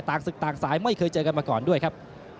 ศึกต่างสายไม่เคยเจอกันมาก่อนด้วยครับ